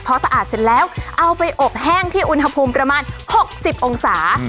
พอสะอาดเสร็จแล้วเอาไปอบแห้งที่อุณหภูมิประมาณ๖๐องศา